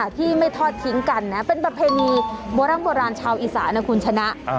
ที่ไม่ทอดทิ้งกันนะเป็นประเพณีโบร่ำโบราณชาวอีสานะคุณชนะ